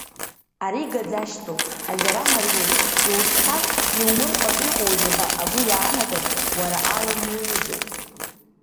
Ари гаӡашьҭроуп, ажьара мариоуп, иурҽхәар иаумырҟаҵо иҟоузеи ҳәа агәы иаанаган, уара Алым уаҩызоуп.